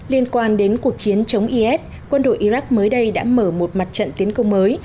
liên quan đến cuộc chiến chống is quân đội iraq mới đây đã mở một mặt trận tiến công mới